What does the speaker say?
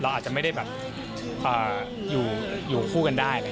เราอาจจะไม่ได้อยู่คู่กันได้